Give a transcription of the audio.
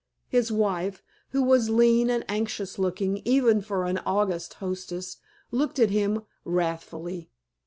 His wife, who was lean and anxious looking even for an August hostess, looked at him wrathfully.